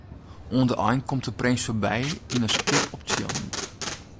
Oan de ein komt de prins foarby yn in skip op tsjillen.